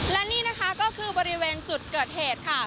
และนี่นะคะก็คือบริเวณจุดเกิดเหตุค่ะ